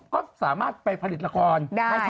ก็สามารถไปผลิตละครได้